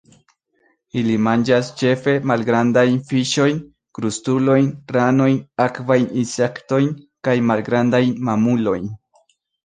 Ili manĝas ĉefe malgrandajn fiŝojn, krustulojn, ranojn, akvajn insektojn, kaj malgrandajn mamulojn.